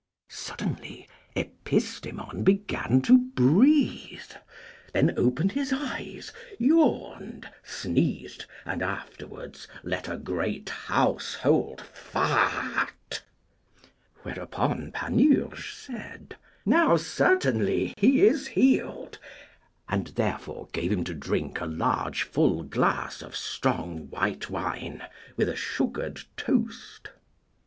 Suddenly Epistemon began to breathe, then opened his eyes, yawned, sneezed, and afterwards let a great household fart. Whereupon Panurge said, Now, certainly, he is healed, and therefore gave him to drink a large full glass of strong white wine, with a sugared toast.